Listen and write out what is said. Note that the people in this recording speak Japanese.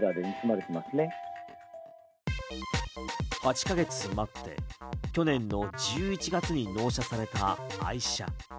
８か月待って去年の１１月に納車された愛車。